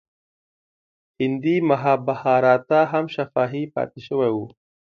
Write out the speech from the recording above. هندي مهابهاراتا هم شفاهي پاتې شوی و.